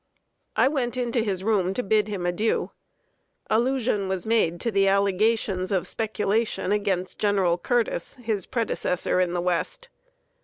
I went into his room to bid him adieu. Allusion was made to the allegations of speculation against General Curtis, his predecessor in the West.